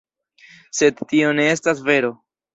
Sed tio ne estas vero.